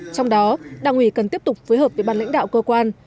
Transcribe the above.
trong đó đảng ủy cần tiếp tục phối hợp với ban lãnh đạo cơ quan